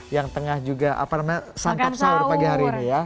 yang tengah juga apa namanya santap sahur pagi hari ini ya